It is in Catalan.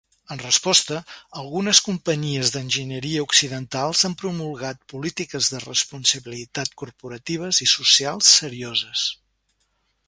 En resposta, algunes companyies d'enginyeria occidentals han promulgat polítiques de responsabilitat corporatives i socials serioses.